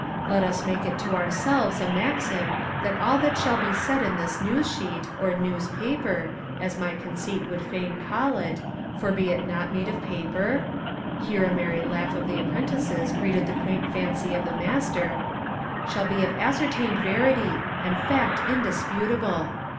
Let us make it to ourselves a maxim that all that shall be said in this news sheet, or 'news paper,' as my conceit would fain call it, for be it not made of paper (here a merry laugh of the apprentices greeted the quaint fancy of the Master), shall be of ascertained verity and fact indisputable.